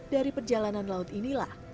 dari perjalanan laut inilah